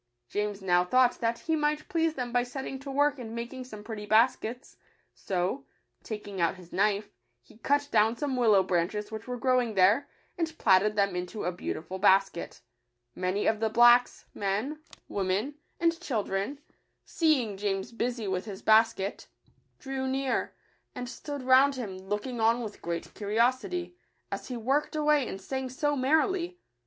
James now thought that he might please them by setting to work and making some pretty baskets; so, taking out his knife, he cut down some willow branches which were grow ing there, and platted them into a beautiful basket. Many of the blacks, men, women, 92 I JL ir Digitized by kaOOQle ■ iff/ Witi<uh^,TA^Wu J1 &tffljj££(C29U Tf and children, seeing James busy with his basket, drew near, and stood round him, look ing on with great curiosity, as he worked away and sang so merrily.